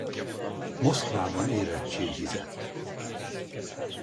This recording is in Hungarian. Moszkvában érettségizett.